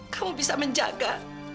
kamu bisa menjaga